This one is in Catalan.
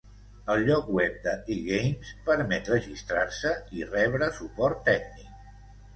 El lloc web de eGames permet registrar-se i rebre suport tècnic.